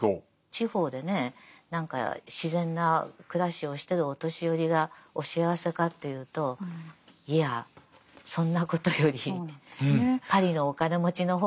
地方でね何か自然な暮らしをしてるお年寄りがお幸せかというといやそんなことよりパリのお金持ちの方が長生きだって。